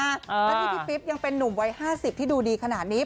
แล้วที่พี่ปิ๊บยังเป็นนุ่มวัย๕๐ที่ดูดีขนาดนี้